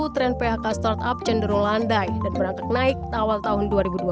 tren phk startup cenderung landai dan berangkat naik awal tahun dua ribu dua puluh